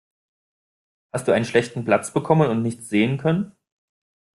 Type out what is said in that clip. Hast du einen schlechten Platz bekommen und nichts sehen können?